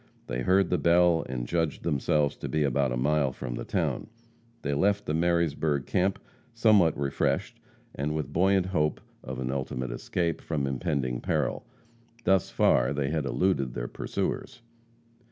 They heard the bell and judged themselves to be about a mile from the town. They left the Marysburg camp somewhat refreshed, and with buoyant hope of an ultimate escape from impending peril. Thus far they had eluded their pursuers.